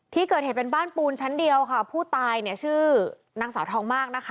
ที่เกิดเหตุเป็นบ้านปูนชั้นเดียวค่ะผู้ตายเนี่ยชื่อนางสาวทองมากนะคะ